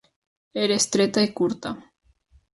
Era estreta i curta.